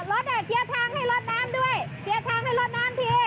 เออรถน่ะเคลียร์ทางให้รถน้ำด้วยเคลียร์ทางให้รถน้ำที